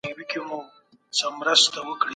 ليکوال بايد د خپلي ټولني لپاره ليکل وکړي.